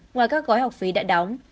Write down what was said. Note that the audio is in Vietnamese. ngoài các gói học phí đã đóng